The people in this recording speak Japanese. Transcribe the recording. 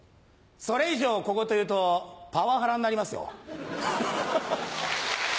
それ以上小言言うとパワハラになりますよ。